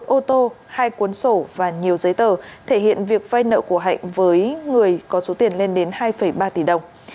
một ô tô hai cuốn sổ và nhiều giấy tờ thể hiện việc phai nợ của hạnh với người có số tiền lên đến một mươi năm tỷ đồng